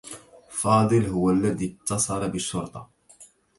فاضل هو الّذي اتّصل بالشّرطة.